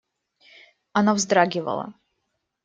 Она вздрагивала.